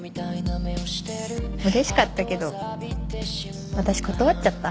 嬉しかったけど私断っちゃった。